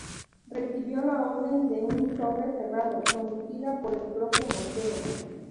Recibió la orden en un sobre cerrado, conducida por el propio Montero.